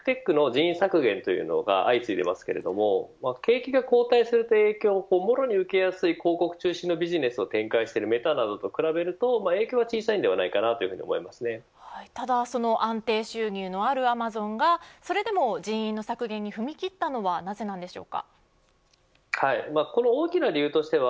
このところビッグテックの人員削減というのが相次いでいますけど景気が後退して影響をもろに受けやすい広告中心のビジネスを展開しているメタなどと比べると影響は小さいのではないかただその安定収入のあるアマゾンがそれでも人員の削減に踏み切ったのはなぜなんでしょうか。